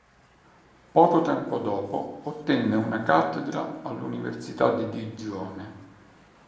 Poco tempo dopo ottenne una cattedra all'Università di Digione.